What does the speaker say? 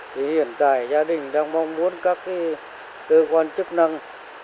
thì hiện tại gia đình đang mong muốn các cơ quan chức năng